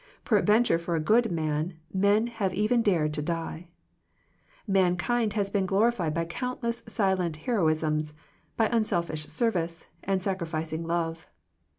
Peradventure for a good man men have even dared to die. Mankind has been glorified by countless silent heroisms, by unselfish service, and sacrificing love.